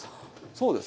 そうです。